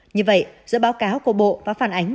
như vậy giữa báo cáo của bộ và phản ánh